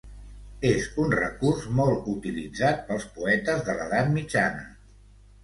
És un recurs molt utilitzat pels poetes de l'edat mitjana.